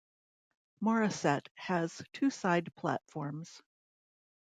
Morisset has two side platforms.